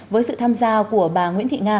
với sự tham gia của bà nguyễn thị nga